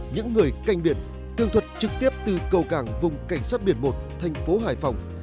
những người canh biển thường thuật trực tiếp từ cầu cảng vùng cảnh sát biển một thành phố hải phòng